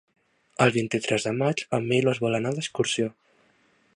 El vint-i-tres de maig en Milos vol anar d'excursió.